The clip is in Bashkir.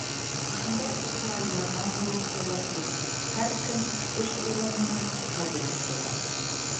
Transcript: Ошондай социаль ярҙам булыу сәбәпле, һәр кем эш урынының ҡәҙерен белә.